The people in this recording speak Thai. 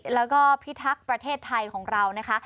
แล้วก็พิทักษ์ประเทศไทยของเรานะคะ